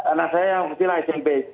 anak saya yang kecil lah smp